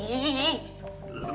gak ada di kamar mbah be